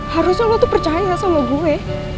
harusnya lo tuh percaya sama gue